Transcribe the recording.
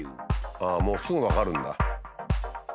ああもうすぐ分かるんだ。